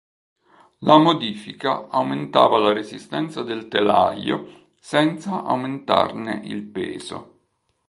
La modifica aumentava la resistenza del telaio senza aumentarne il peso